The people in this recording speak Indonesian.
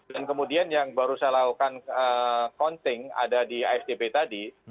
kemudian yang baru saya lakukan counting ada di asdp tadi